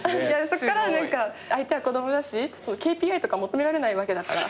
そっから何か相手は子供だしＫＰＩとか求められないわけだから。